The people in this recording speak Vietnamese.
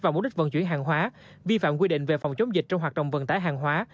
và mục đích vận chuyển hàng hóa vi phạm quy định về phòng chống dịch trong hoạt động vận tải hàng hóa